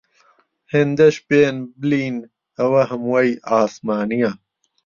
هێندەش بێن، بلین: ئەوە هەموەی عاسمانیە